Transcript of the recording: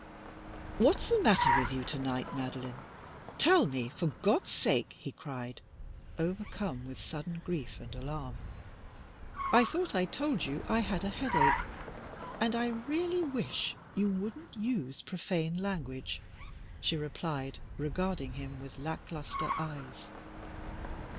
"What's the matter with you to night, Madeline? Tell me, for God's sake!" he cried, overcome with sudden grief and alarm. "I thought I told you I had a headache, and I really wish you wouldn't use profane language," she replied, regarding him with lack lustre eyes.